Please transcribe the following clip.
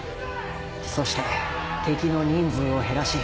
そして敵の人数を減らし。